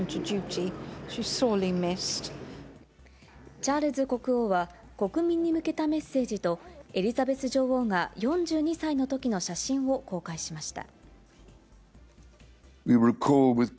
チャールズ国王は、国民に向けたメッセージと、エリザベス女王が４２歳のときの写真を公開しました。